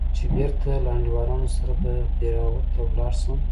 چې بېرته له انډيوالانو سره دهراوت ته ولاړ سم.